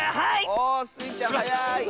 おスイちゃんはやい！